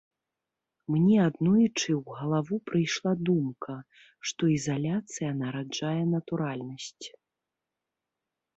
Мне аднойчы ў галаву прыйшла думка, што ізаляцыя нараджае натуральнасць.